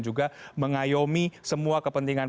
juga mengayomi semua kepentingan